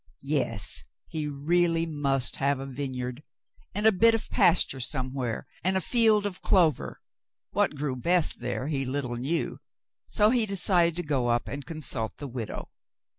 Yes, he really must have a vineyard, and a bit of pasture somewhere, and a field of clover. What grew best there he little knew, so he decided to go up and consult the widow.